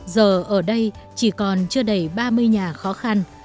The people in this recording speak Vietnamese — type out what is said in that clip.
giờ ở đây chỉ còn chưa đầy ba mươi nhà khó khăn